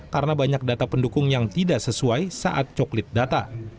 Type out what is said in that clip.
karena banyak data pendukung yang tidak sesuai saat coklit data